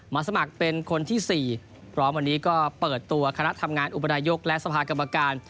สมัครเป็นคนที่๔พร้อมวันนี้ก็เปิดตัวคณะทำงานอุปนายกและสภากรรมการ